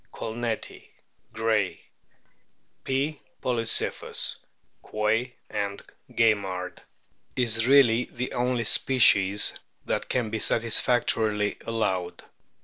colneti, Gray ; P. polycyphus, Ouoy and Gaimard), is really the only species that can be satisfactorily allowed.